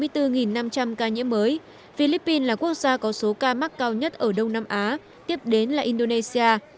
trong ca nhiễm mới philippines là quốc gia có số ca mắc cao nhất ở đông nam á tiếp đến là indonesia